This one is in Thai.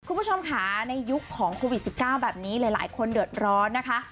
คุณผู้ชมค่ะในยุคของโควิด๑๙แบบนี้หลายคนเดือดร้อนนะคะ